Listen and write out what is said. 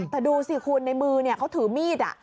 แต่ดูสิคุณในมือเขาถือมีด